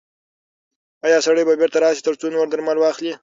ایا سړی به بیرته راشي ترڅو نور درمل واخلي؟